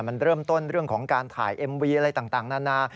มันเริ่มต้นเรื่องของการถ่ายเอ็มวีอะไรต่างนานา